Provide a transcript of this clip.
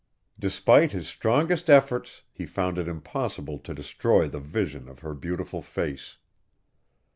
Despite his strongest efforts he found it impossible to destroy the vision of her beautiful face.